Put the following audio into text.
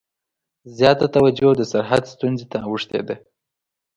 زیاته توجه د سرحد ستونزې ته اوښتې ده.